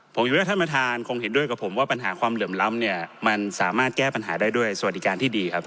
ผมคิดว่าท่านประธานคงเห็นด้วยกับผมว่าปัญหาความเหลื่อมล้ำเนี่ยมันสามารถแก้ปัญหาได้ด้วยสวัสดิการที่ดีครับ